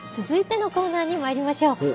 続いてのコーナーにまいりましょう。